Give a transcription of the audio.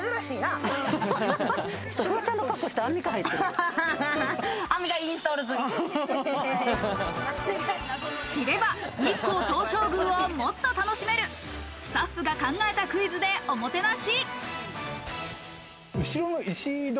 フワちゃんの格好したアンミ知れば日光東照宮をもっと楽しめる、スタッフが考えたクイズでおもてなし。